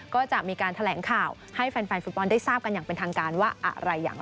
ก็จะมีการแถลงข่าวให้แฟนฟุตบอลได้ทราบกันอย่างเป็นทางการว่าอะไรอย่างไร